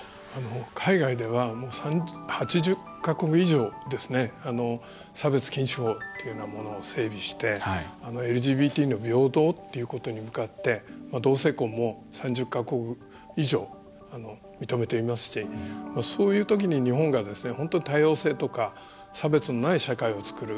海外では、８０か国以上差別禁止法というものを整備してＬＧＢＴの平等ということに向かって同性婚も３０か国以上認めていますしそういうときに日本が本当に多様性とか差別のない社会を作る。